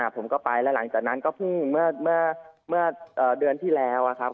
ผมก็ไปแล้วหลังจากนั้นก็เพิ่งเมื่อเดือนที่แล้วครับ